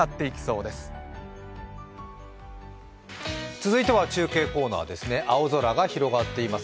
続いては中継コーナーですね、青空が広がっています。